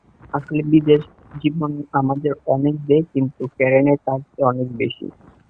আসলে বিদেশ জীবন আমাদের অনেক দেয়, কিন্তু কেড়ে নেয় তার চেয়ে অনেক বেশী।